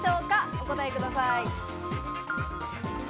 お答えください。